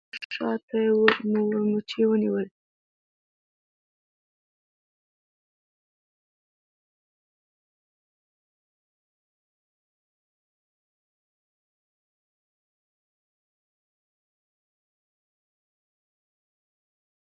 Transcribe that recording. احمد د ازموینې په وخت درس ولوست.